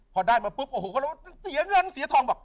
พอได้มาปุ๊บโอ้โหเหลือเสียเงินเสียทอง